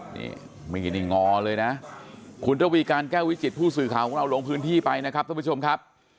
นี่มีดนี่งอเลยนะคุณระวีการแก้ววิจิตผู้สื่อข่าวของเราลงพื้นที่ไปนะครับท่านผู้ชมครับ